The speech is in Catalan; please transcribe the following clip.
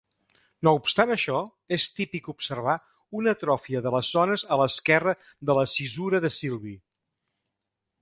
No obstant això, és típic observar una atrofia de les zones a l'esquerra de la cissura de Silvi.